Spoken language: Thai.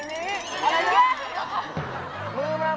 เมื่อก่อนพี่แย่กว่านี้